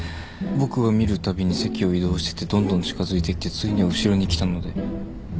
僕が見るたびに席を移動しててどんどん近づいてきてついには後ろに来たので。